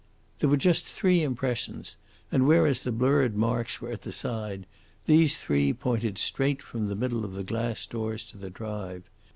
There were just three impressions; and, whereas the blurred marks were at the side, these three pointed straight from the middle of the glass doors to the drive.